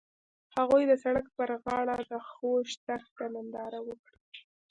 هغوی د سړک پر غاړه د خوږ دښته ننداره وکړه.